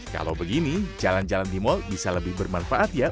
kalau begini jalan jalan di mal bisa lebih bermanfaat ya